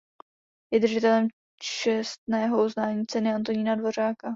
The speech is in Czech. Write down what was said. Je držitelem čestného uznání ceny Antonína Dvořáka.